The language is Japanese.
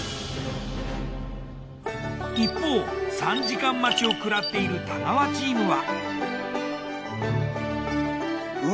一方３時間待ちをくらっている太川チームは。